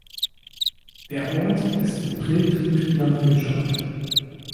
Der Ort ist geprägt durch die Landwirtschaft.